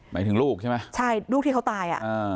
หมายถึงลูกใช่ไหมใช่ลูกที่เขาตายอ่ะอ่า